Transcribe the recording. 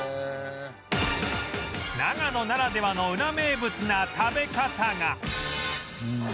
長野ならではのウラ名物な食べ方が